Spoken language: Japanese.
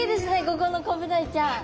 ここのコブダイちゃん。